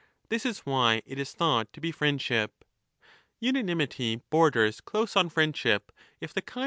This is why it is thought to be friendship. Unanimity borders close on friendship, if the kind of 40 i2i2ai3 =£^..